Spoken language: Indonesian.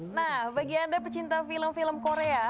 nah bagi anda pecinta film film korea